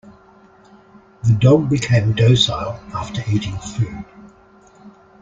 The dog became docile after eating food.